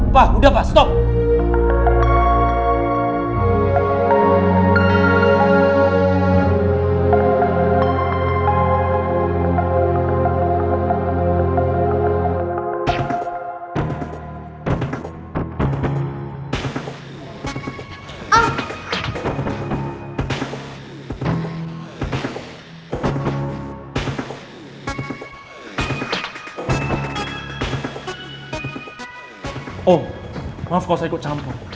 pa udah pa stop